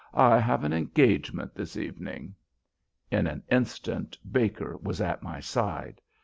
"I have an engagement this evening." In an instant Baker was at my side.